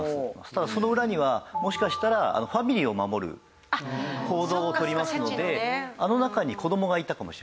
ただその裏にはもしかしたらファミリーを守る行動を取りますのであの中に子供がいたかもしれません。